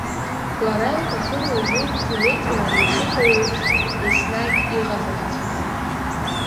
Лара илҭахын уажәы Ҭелеҭи лареи шыҟоу еиԥш енснагь иҟазарц.